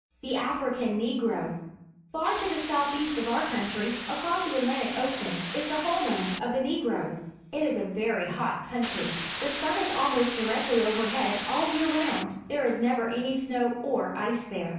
The African Negro. — Far to the south east of our country, across the Atlantic Ocean, is the home land of the Negroes. It is a very hot country. The sun is almost directly overhead all the year round. There is never any snow or ice there.